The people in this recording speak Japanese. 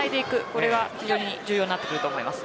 これが非常に重要になってきます。